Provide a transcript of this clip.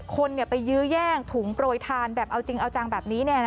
คนไปยื้อแย่งถุงโปรยทานแบบเอาจริงเอาจังแบบนี้